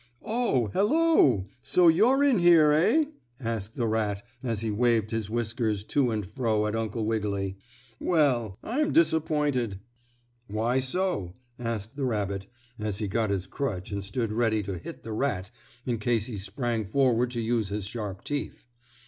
"Oh, hello! So you're in here, eh?" asked the rat as he waved his whiskers to and fro at Uncle Wiggily. "Well, I'm disappointed." "Why so?" asked the rabbit, as he got his crutch and stood ready to hit the rat in case he sprang forward to use his sharp teeth.